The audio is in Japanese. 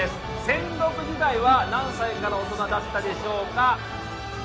戦国時代は何歳から大人だったでしょうか？